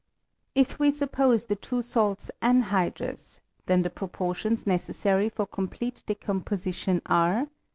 If we suppose the two salts anhydrous, then the pro portions necessary for complete decomposition are.